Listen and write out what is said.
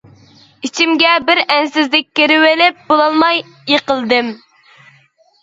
ئىچىمگە بىر ئەنسىزلىك كىرىۋېلىپ بولالماي يىقىلدىم.